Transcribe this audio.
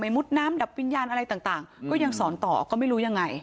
มุดน้ำดับวิญญาณอะไรต่างก็ยังสอนต่อก็ไม่รู้ยังไง